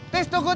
tis tunggu tis